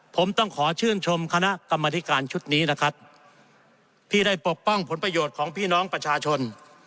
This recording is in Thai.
ผมต้องขอชื่นชมคณะกรรมธิการชุดนี้นะครับที่ได้ปกป้องผลประโยชน์ของพี่น้องประชาชน